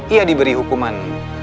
ia diberi hukuman